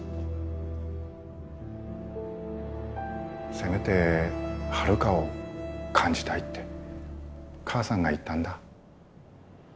せめてハルカを感じたいって母さんが言ったんだ。